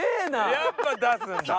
やっぱ出すんだ。